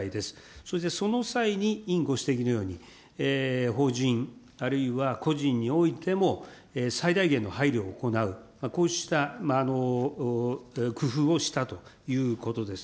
そして、その際に、委員ご指摘のように、法人、あるいは個人においても最大限の配慮を行う、こうした工夫をしたということです。